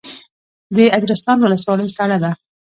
د اجرستان ولسوالۍ سړه ده